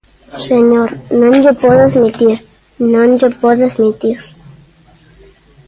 Señor, non llo podo admitir, non llo podo admitir.